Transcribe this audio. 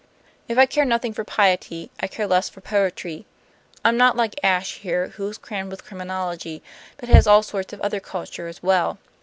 If I care nothing for piety, I care less for poetry. I'm not like Ashe here, who is crammed with criminology, but has all sorts of other culture as well.